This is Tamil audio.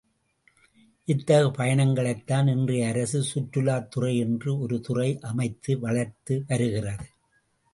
இத்தகு பயணங்களைத்தான் இன்றைய அரசு, சுற்றுலாத் துறை என்று ஒரு துறை அமைத்து வளர்த்து வருகிறது.